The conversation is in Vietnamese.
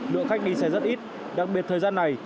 lượng khách đi xe rất ít đặc biệt thời gian này